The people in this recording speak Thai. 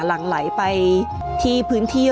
หลังไหลไปที่พื้นที่